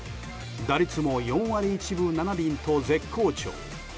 打率も４割１分７厘と絶好調。